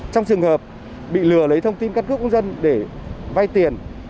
trong trường hợp bị lừa lấy thông tin căn cước công dân để vay tiền